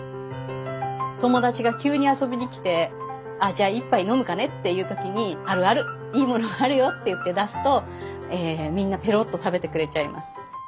友達が急に遊びに来て「あじゃあ１杯飲むかね」っていう時に「あるあるいいものあるよ」って言って出すとみんなぺろっと食べてくれちゃいます。